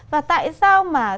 và tại sao mà